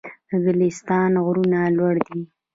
د ګلستان غرونه لوړ دي